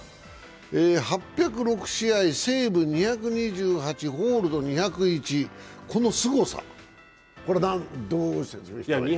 ８０６試合、セーブ２２８、ホールド２０１、このすごさ、これはどう説明してもらえますか？